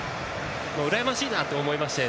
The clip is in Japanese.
うらやましいなと思いましたね。